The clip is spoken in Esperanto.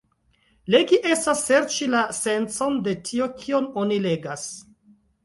Legi estas serĉi la sencon de tio kion oni legas.